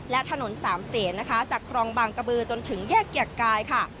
และถนนสามเศษนะคะจากครองบางกระบือจนถึงแยกเกียรติกายค่ะ